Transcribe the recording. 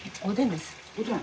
おでん？